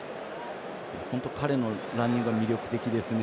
本当、彼のランニングは魅力的ですね。